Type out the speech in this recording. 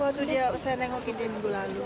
waktu dia saya nengokin di minggu lalu